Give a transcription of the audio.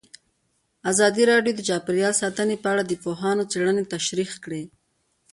ازادي راډیو د چاپیریال ساتنه په اړه د پوهانو څېړنې تشریح کړې.